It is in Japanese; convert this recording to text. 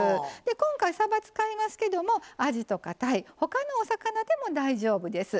今回さば使いますけどもあじとかたいほかのお魚でも大丈夫です。